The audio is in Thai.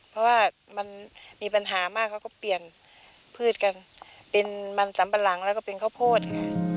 เป็นมันสัมปันหลังแล้วก็เป็นข้าวโพธิค่ะ